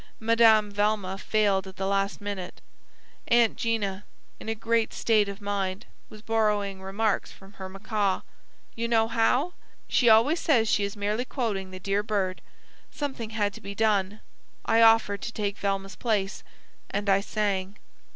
Madame Velma failed at the last minute. Aunt 'Gina, in a great state of mind, was borrowing remarks from her macaw. You know how? She always says she is merely quoting `the dear bird.' Something had to be done. I offered to take Velma's place; and I sang."